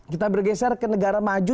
kita bergeser ke negara maju